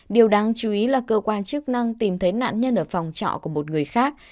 điều đáng chú ý là cơ quan chức năng tìm thấy nạn nhân ở phòng trọ của một người khác